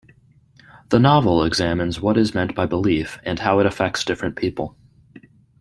The novel examines what is meant by belief and how it affects different people.